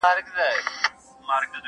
پوره درې مياشتي امير دئ زموږ پېشوا دئ،